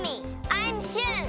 アイムシュン。